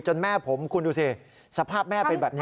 แม่ผมคุณดูสิสภาพแม่เป็นแบบนี้